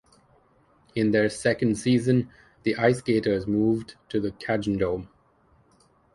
In their second season, the IceGators moved to the Cajundome.